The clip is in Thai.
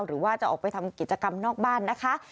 หรือว่าจะออกไปทำกิจกรรมนอกบ้านนะคะ